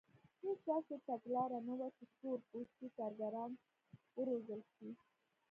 هېڅ داسې تګلاره نه وه چې تور پوستي کارګران وروزل شي.